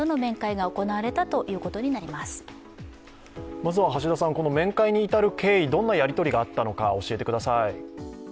まずは橋田さん、この面会に至る経緯、どんなやりとりがあったのか教えてください。